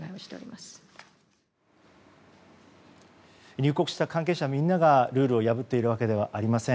入国した関係者みんながルールを破っているわけではありません。